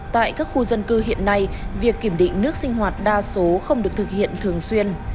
tại các khu dân cư hiện nay việc kiểm định nước sinh hoạt đa số không được thực hiện thường xuyên